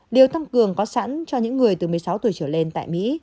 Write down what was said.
đều tăng cường có sẵn cho những người từ một mươi sáu tuổi trở lên tại mỹ